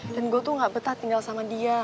dan gua tuh ga betah tinggal sama dia